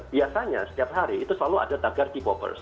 biasanya setiap hari itu selalu ada tagar deep offers